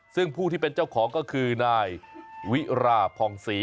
ซึ่งผู้ที่เป็นเจ้าของก็คือนายวิราพองศรี